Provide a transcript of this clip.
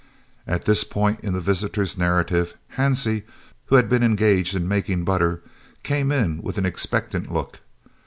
At this point in the visitor's narrative, Hansie, who had been engaged in making butter, came in with an expectant look.